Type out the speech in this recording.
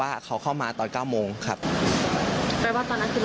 ตอนนั้นคือเราไม่รู้แล้วว่าพาดตัวน้ำลาดจะเก็บ